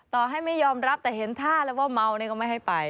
ต่อให้ไม่ยอมรับแต่เห็นท่าแล้วว่าเมานี่ก็ไม่ให้ไป